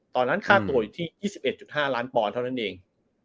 ค่าตัวอยู่ที่๒๑๕ล้านปอนด์เท่านั้นเอง